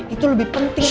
itu lebih penting